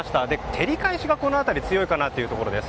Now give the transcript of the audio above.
照り返しがこの辺り強いかなということです。